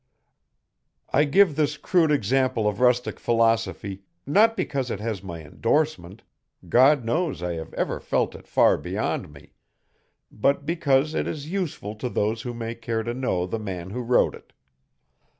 I give this crude example of rustic philosophy, not because it has my endorsement God knows I have ever felt it far beyond me but because it is useful to those who may care to know the man who wrote it.